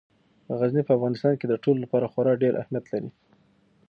غزني په افغانستان کې د ټولو لپاره خورا ډېر اهمیت لري.